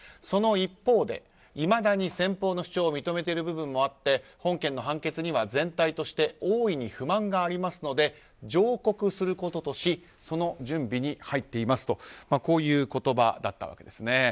その一方でいまだに先方の主張を認めている部分もあって本件の判決には全体として大いに不満がありますので上告することとしその準備に入っていますという言葉だったんですね。